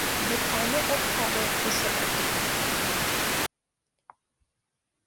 The climate of Kotlik is subarctic.